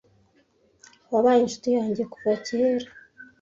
Wabaye inshuti yanjye kuva kera.